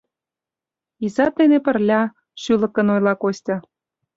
Изат дене пырля, — шӱлыкын ойла Костя.